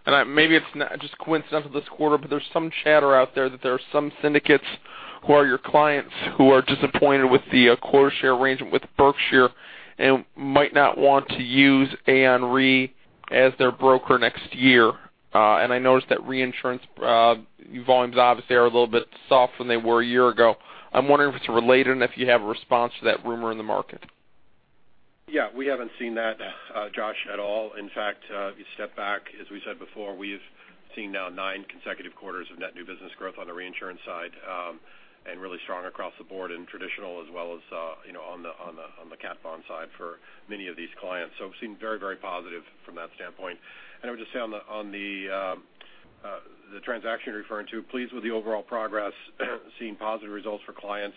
Maybe it's just coincidental this quarter, but there's some chatter out there that there are some syndicates who are your clients who are disappointed with the quota share arrangement with Berkshire and might not want to use Aon Re as their broker next year. I noticed that reinsurance volumes obviously are a little bit soft than they were a year ago. I'm wondering if it's related and if you have a response to that rumor in the market. We haven't seen that, Josh, at all. In fact, if you step back, as we said before, we've seen now nine consecutive quarters of net new business growth on the reinsurance side and really strong across the board in traditional as well as on the cat bond side for many of these clients. It seemed very positive from that standpoint. I would just say on the transaction you're referring to, pleased with the overall progress, seeing positive results for clients.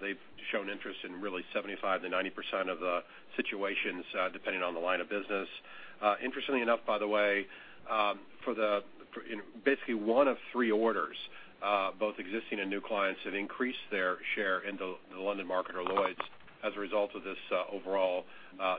They've shown interest in really 75%-90% of the situations depending on the line of business. Interestingly enough, by the way, basically one of three orders both existing and new clients have increased their share in the London market or Lloyd's as a result of this overall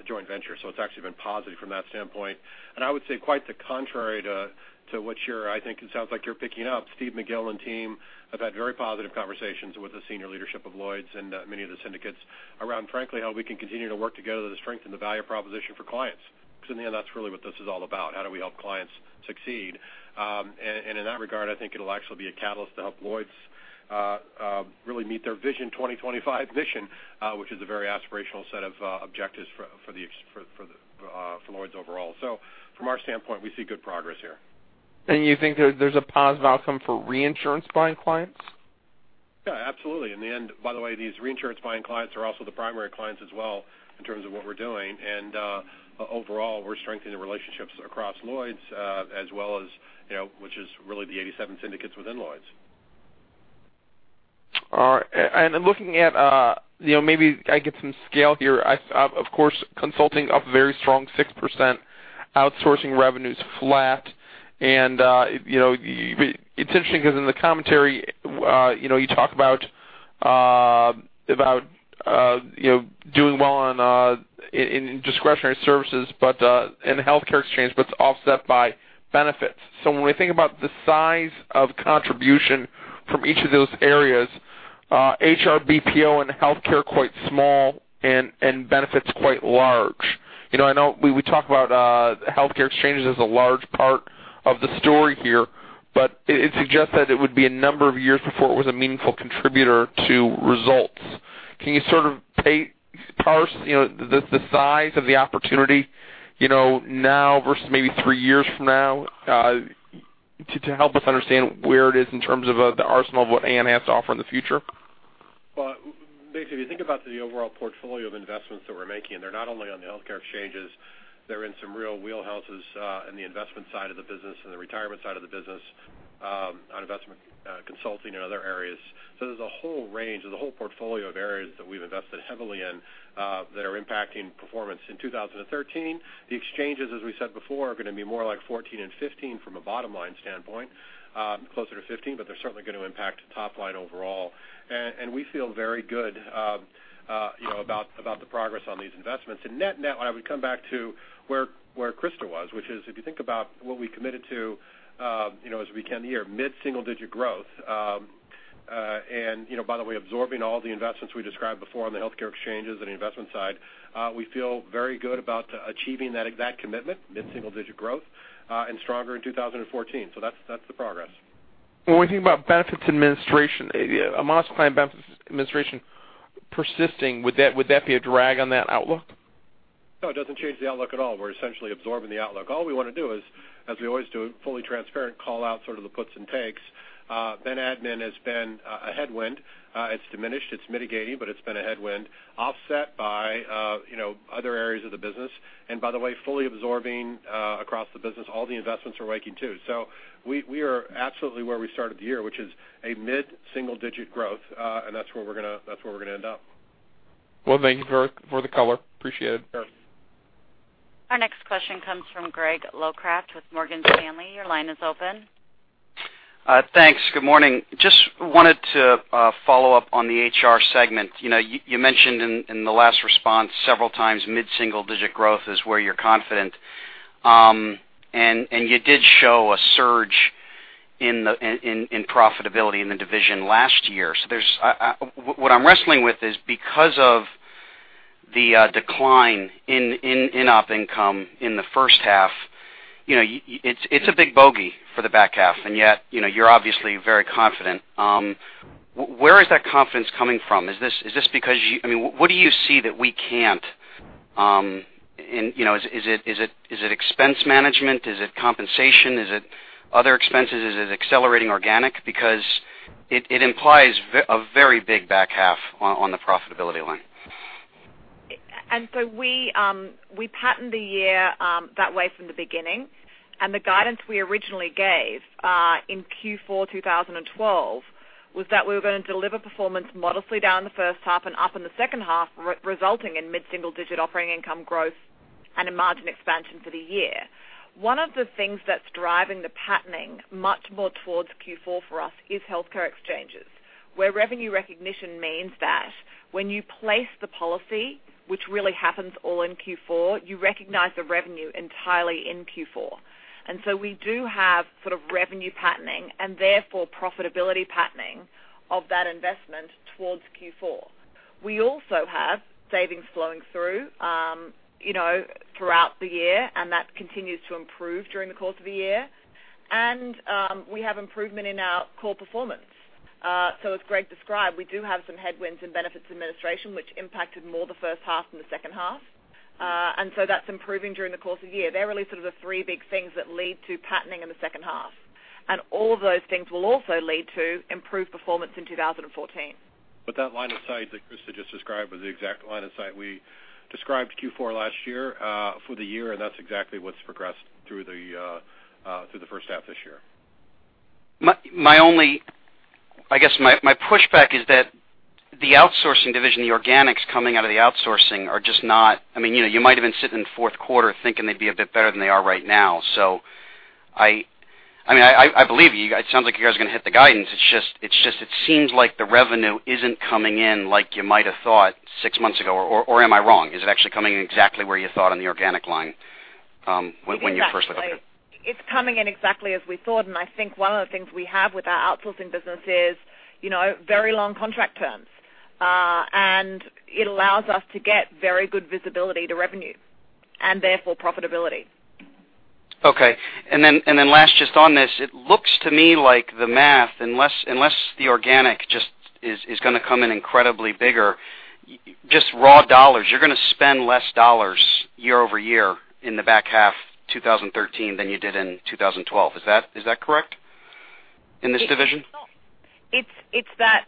joint venture. It's actually been positive from that standpoint. I would say quite the contrary to what I think it sounds like you're picking up. Steve McGill and team have had very positive conversations with the senior leadership of Lloyd's and many of the syndicates around, frankly, how we can continue to work together to strengthen the value proposition for clients. In the end, that's really what this is all about. How do we help clients succeed? In that regard, I think it'll actually be a catalyst to help Lloyd's really meet their Vision 2025 mission, which is a very aspirational set of objectives for Lloyd's overall. From our standpoint, we see good progress here. You think there's a positive outcome for reinsurance buying clients? Yeah, absolutely. In the end, by the way, these reinsurance buying clients are also the primary clients as well in terms of what we're doing. Overall, we're strengthening relationships across Lloyd's, which is really the 87 syndicates within Lloyd's. All right. Looking at maybe I get some scale here. Of course, consulting up a very strong 6%, outsourcing revenues flat. It's interesting because in the commentary you talk about doing well in discretionary services and healthcare exchange, but it's offset by benefits. When we think about the size of contribution from each of those areas HR BPO and healthcare quite small and benefits quite large. I know we talk about healthcare exchanges as a large part of the story here, but it suggests that it would be a number of years before it was a meaningful contributor to results. Can you sort of parse the size of the opportunity now versus maybe three years from now to help us understand where it is in terms of the arsenal of what Aon has to offer in the future? Well, basically, if you think about the overall portfolio of investments that we're making, they're not only on the healthcare exchanges, they're in some real wheelhouses in the investment side of the business and the retirement side of the business, on investment consulting and other areas. There's a whole range. There's a whole portfolio of areas that we've invested heavily in that are impacting performance. In 2013, the exchanges, as we said before, are going to be more like 2014 and 2015 from a bottom-line standpoint, closer to 2015, but they're certainly going to impact top line overall. We feel very good about the progress on these investments. Net-net, when I would come back to where Christa was, which is, if you think about what we committed to as we came the year, mid-single digit growth. By the way, absorbing all the investments we described before on the healthcare exchanges and the investment side, we feel very good about achieving that exact commitment, mid-single digit growth, and stronger in 2014. That's the progress. When we think about benefits administration, a modest claim benefits administration persisting, would that be a drag on that outlook? No, it doesn't change the outlook at all. We're essentially absorbing the outlook. All we want to do is, as we always do, fully transparent, call out sort of the puts and takes. Admin has been a headwind. It's diminished, it's mitigating, but it's been a headwind offset by other areas of the business. By the way, fully absorbing across the business all the investments we're making too. We are absolutely where we started the year, which is a mid-single digit growth. That's where we're going to end up. Well, thank you for the color. Appreciate it. Sure. Our next question comes from Gregory Locraft with Morgan Stanley. Your line is open. Thanks. Good morning. Just wanted to follow up on the HR segment. You mentioned in the last response several times, mid-single digit growth is where you're confident. You did show a surge in profitability in the division last year. What I'm wrestling with is because of the decline in op income in the first half, it's a big bogey for the back half. Yet, you're obviously very confident. Where is that confidence coming from? What do you see that we can't? Is it expense management? Is it compensation? Is it other expenses? Is it accelerating organic? It implies a very big back half on the profitability line. We patterned the year that way from the beginning. The guidance we originally gave in Q4 2012 was that we were going to deliver performance modestly down in the first half and up in the second half, resulting in mid-single digit operating income growth and a margin expansion for the year. One of the things that's driving the patterning much more towards Q4 for us is healthcare exchanges, where revenue recognition means that when you place the policy, which really happens all in Q4, you recognize the revenue entirely in Q4. We do have sort of revenue patterning and therefore profitability patterning of that investment towards Q4. We also have savings flowing through throughout the year, and that continues to improve during the course of the year. We have improvement in our core performance. As Greg described, we do have some headwinds in benefits administration, which impacted more the first half than the second half. That's improving during the course of the year. They're really sort of the three big things that lead to patterning in the second half. All of those things will also lead to improved performance in 2014. That line of sight that Christa just described was the exact line of sight we described Q4 last year for the year, and that's exactly what's progressed through the first half this year. I guess my pushback is that the outsourcing division, the organics coming out of the outsourcing are just not. You might have been sitting in the fourth quarter thinking they'd be a bit better than they are right now. I believe you. It sounds like you guys are going to hit the guidance. It's just, it seems like the revenue isn't coming in like you might have thought six months ago, or am I wrong? Is it actually coming in exactly where you thought on the organic line when you first looked at it? It's coming in exactly as we thought. I think one of the things we have with our outsourcing business is very long contract terms. It allows us to get very good visibility to revenue and therefore profitability. Okay. Then last just on this, it looks to me like the math, unless the organic just is going to come in incredibly bigger, just raw dollars, you're going to spend less dollars year-over-year in the back half 2013 than you did in 2012. Is that correct in this division? It's that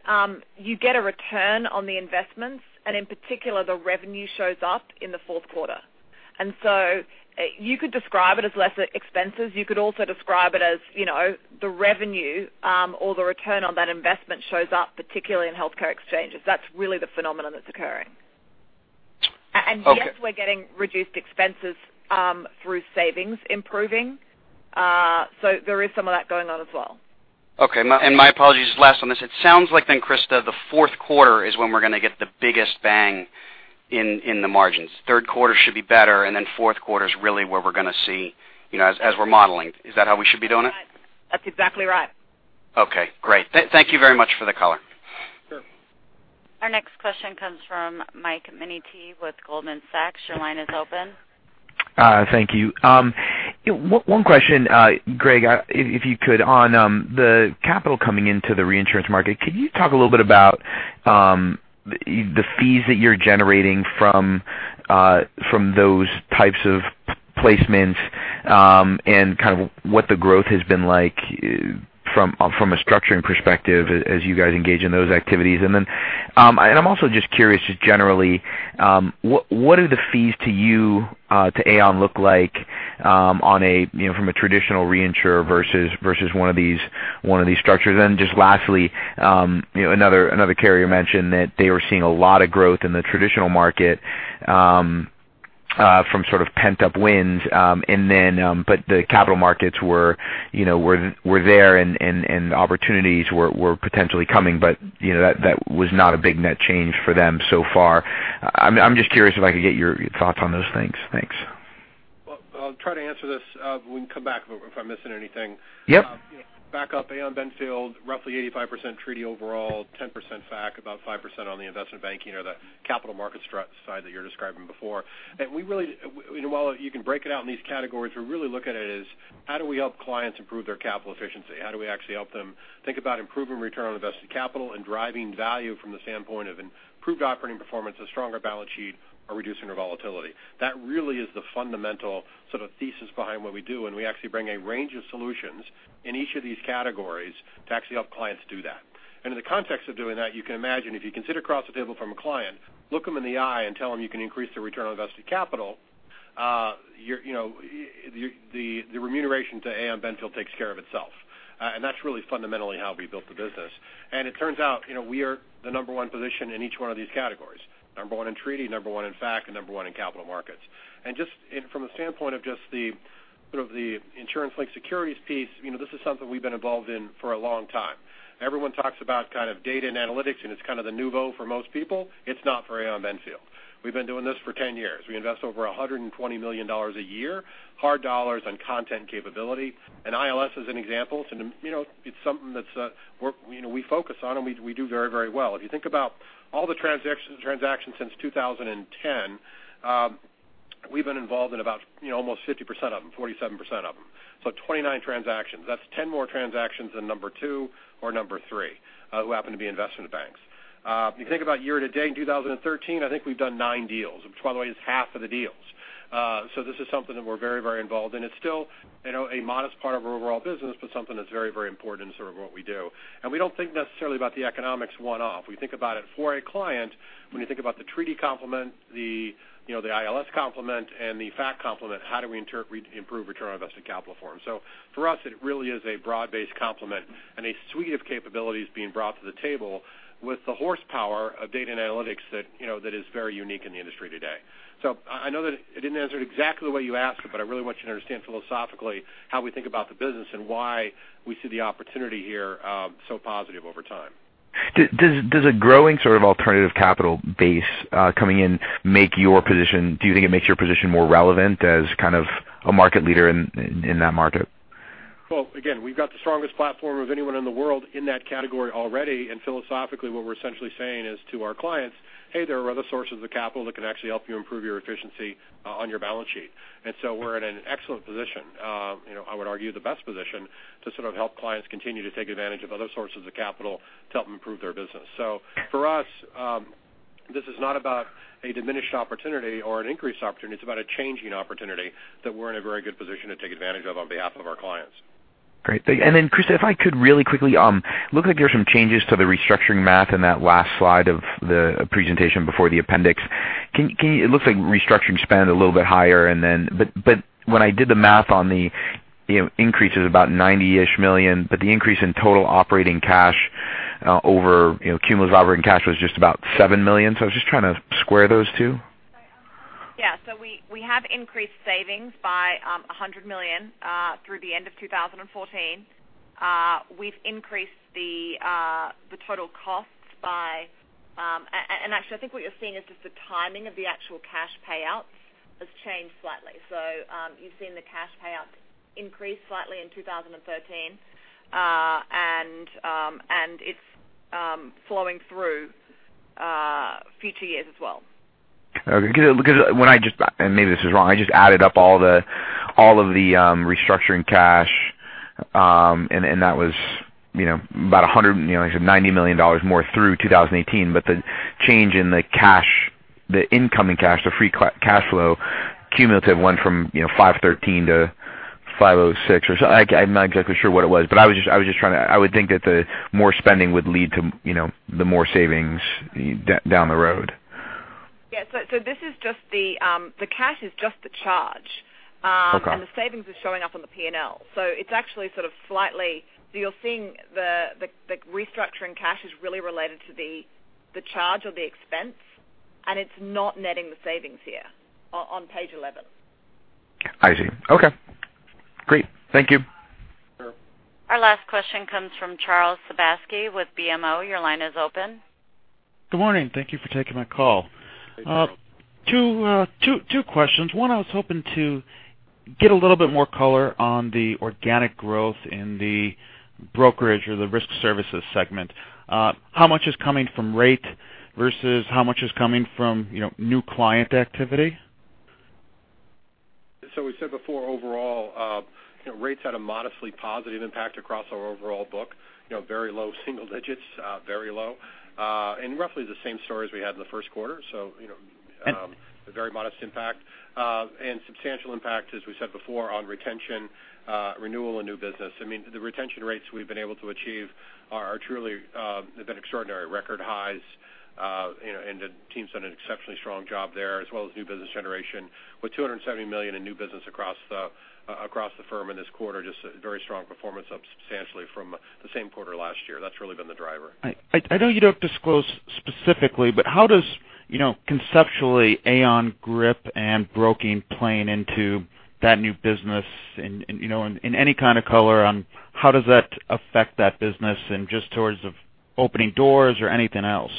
you get a return on the investments. In particular, the revenue shows up in the fourth quarter. You could describe it as less expenses. You could also describe it as the revenue or the return on that investment shows up particularly in healthcare exchanges. That's really the phenomenon that's occurring. Okay. Yes, we're getting reduced expenses through savings improving. There is some of that going on as well. Okay. My apologies, just last on this. It sounds like then, Christa, the fourth quarter is when we're going to get the biggest bang in the margins. Third quarter should be better. Fourth quarter is really where we're going to see as we're modeling. Is that how we should be doing it? That's exactly right. Okay, great. Thank you very much for the color. Sure. Our next question comes from Michael Nannizzi with Goldman Sachs. Your line is open. Thank you. One question, Greg, if you could, on the capital coming into the reinsurance market, can you talk a little bit about the fees that you're generating from those types of placements and what the growth has been like from a structuring perspective as you guys engage in those activities. I am also just curious, just generally, what do the fees to you to Aon look like from a traditional reinsurer versus one of these structures? Just lastly, another carrier mentioned that they were seeing a lot of growth in the traditional market from pent-up wins. The capital markets were there, and opportunities were potentially coming, but that was not a big net change for them so far. I am just curious if I could get your thoughts on those things. Thanks. I will try to answer this. We can come back if I am missing anything. Yep. Back up, Aon Benfield, roughly 85% treaty overall, 10% FAC, about 5% on the investment banking or the capital market side that you were describing before. While you can break it out in these categories, we really look at it as how do we help clients improve their capital efficiency? How do we actually help them think about improving return on invested capital and driving value from the standpoint of improved operating performance, a stronger balance sheet, or reducing their volatility? That really is the fundamental thesis behind what we do, and we actually bring a range of solutions in each of these categories to actually help clients do that. In the context of doing that, you can imagine if you can sit across the table from a client, look them in the eye, and tell them you can increase their return on invested capital, the remuneration to Aon Benfield takes care of itself. That is really fundamentally how we built the business. It turns out, we are the number one position in each one of these categories, number one in treaty, number one in FAC, and number one in capital markets. From the standpoint of just the insurance-linked securities piece, this is something we have been involved in for a long time. Everyone talks about data and analytics, and it is kind of the nouveau for most people. It is not for Aon Benfield. We have been doing this for 10 years. We invest over $120 million a year, hard dollars on content capability, and ILS is an example. It's something that we focus on, and we do very well. If you think about all the transactions since 2010, we've been involved in almost 50% of them, 47% of them. 29 transactions. That's 10 more transactions than number two or number three, who happen to be investment banks. If you think about year to date in 2013, I think we've done nine deals, which by the way is half of the deals. This is something that we're very involved in. It's still a modest part of our overall business, but something that's very important in what we do. We don't think necessarily about the economics one-off. We think about it for a client when we think about the treaty complement, the ILS complement, and the FAC complement, how do we improve return on invested capital for them? For us, it really is a broad-based complement and a suite of capabilities being brought to the table with the horsepower of data and analytics that is very unique in the industry today. I know that I didn't answer it exactly the way you asked it, but I really want you to understand philosophically how we think about the business and why we see the opportunity here so positive over time. Does a growing alternative capital base coming in, do you think it makes your position more relevant as a market leader in that market? Well, again, we've got the strongest platform of anyone in the world in that category already, philosophically, what we're essentially saying is to our clients, "Hey, there are other sources of capital that can actually help you improve your efficiency on your balance sheet." We're in an excellent position. I would argue the best position to help clients continue to take advantage of other sources of capital to help them improve their business. For us, this is not about a diminished opportunity or an increased opportunity. It's about a changing opportunity that we're in a very good position to take advantage of on behalf of our clients. Great, thank you. Christa, if I could really quickly. It looks like there's some changes to the restructuring math in that last slide of the presentation before the appendix. It looks like restructuring spend a little bit higher. When I did the math on the increases about $90-ish million, the increase in total operating cash over cumulative operating cash was just about $7 million. I was just trying to square those two. Yeah. We have increased savings by $100 million through the end of 2014. We've increased the total costs and actually, I think what you're seeing is just the timing of the actual cash payouts has changed slightly. You've seen the cash payouts increase slightly in 2013, and it's flowing through future years as well. Okay. Because when I just, and maybe this is wrong, I just added up all of the restructuring cash, and that was about $190 million more through 2018. The change in the incoming cash, the free cash flow cumulative went from $513 to $506 or so. I'm not exactly sure what it was, but I would think that the more spending would lead to the more savings down the road. Yeah. The cash is just the charge. Okay. The savings is showing up on the P&L. You're seeing the restructuring cash is really related to the charge or the expense, and it's not netting the savings here on page 11. I see. Okay, great. Thank you. Sure. Our last question comes from Charles Sebaski with BMO. Your line is open. Good morning. Thank you for taking my call. Hey, Charles. Two questions. One, I was hoping to get a little bit more color on the organic growth in the brokerage or the Risk Solutions segment. How much is coming from rate versus how much is coming from new client activity? We said before, overall rates had a modestly positive impact across our overall book. Very low single digits, very low. Roughly the same story as we had in the first quarter. A very modest impact. Substantial impact, as we said before, on retention, renewal, and new business. The retention rates we've been able to achieve have been extraordinary, record highs. The team's done an exceptionally strong job there, as well as new business generation with $270 million in new business across the firm in this quarter. A very strong performance up substantially from the same quarter last year. That's really been the driver. I know you don't disclose specifically, how does, conceptually, Aon GRIP and Broking play into that new business? Any kind of color on how does that affect that business and just towards the opening doors or anything else?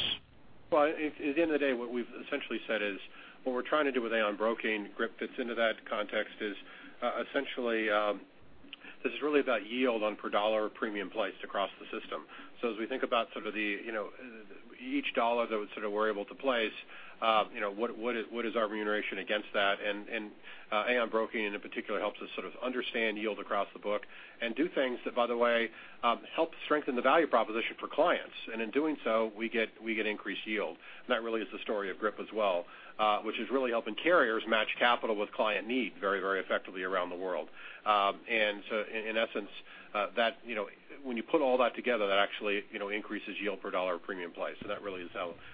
Well, at the end of the day, what we've essentially said is what we're trying to do with Aon Broking, GRIP fits into that context, is essentially this is really about yield on per dollar premium placed across the system. As we think about each dollar that we're able to place, what is our remuneration against that? Aon Broking in particular helps us sort of understand yield across the book and do things that, by the way, help strengthen the value proposition for clients. In doing so, we get increased yield. That really is the story of GRIP as well, which is really helping carriers match capital with client need very effectively around the world. In essence, when you put all that together, that actually increases yield per dollar of premium placed. That really is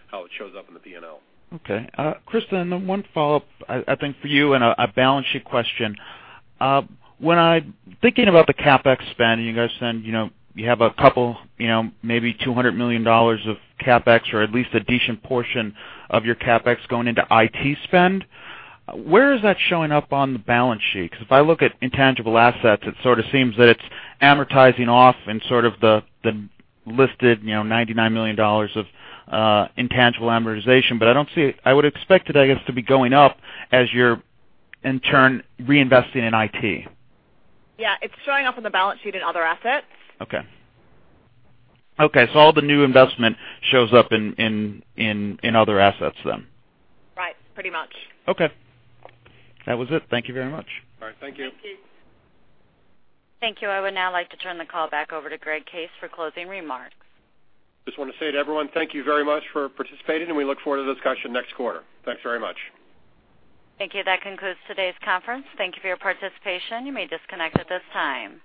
how it shows up in the P&L. Okay. Christa, one follow-up, I think, for you and a balance sheet question. When I'm thinking about the CapEx spend, and you guys spend, you have a couple, maybe $200 million of CapEx or at least a decent portion of your CapEx going into IT spend. Where is that showing up on the balance sheet? Because if I look at intangible assets, it sort of seems that it's amortizing off in sort of the listed $99 million of intangible amortization. I would expect it, I guess, to be going up as you're in turn reinvesting in IT. Yeah, it's showing up on the balance sheet in other assets. Okay. All the new investment shows up in other assets then. Right. Pretty much. Okay. That was it. Thank you very much. All right. Thank you. Thank you. Thank you. I would now like to turn the call back over to Greg Case for closing remarks. Just want to say to everyone, thank you very much for participating, we look forward to the discussion next quarter. Thanks very much. Thank you. That concludes today's conference. Thank you for your participation. You may disconnect at this time.